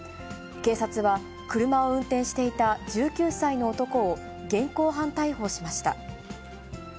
警察は車を運転していた１９歳の男を現行犯逮捕しました。